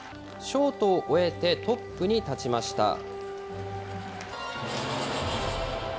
ショートを終えて、トップに立ちました。